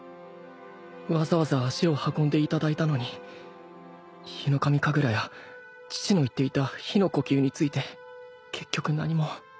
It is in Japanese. わざわざ足を運んでいただいたのにヒノカミ神楽や父の言っていた日の呼吸について結局何も。